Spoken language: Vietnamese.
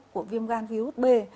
của viêm gan virus b